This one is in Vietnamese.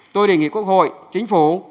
tôi đề nghị quốc hội chính phủ